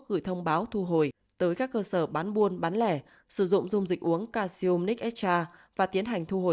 gửi thông báo thu hồi tới các cơ sở bán buôn bán lẻ sử dụng dùng dịch uống casium nic hr và tiến hành thu hồi